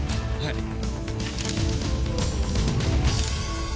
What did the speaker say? はい。